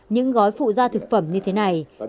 những gói phụ gia thực phẩm như thế này